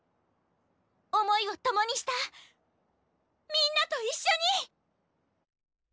想いを共にしたみんなと一緒に！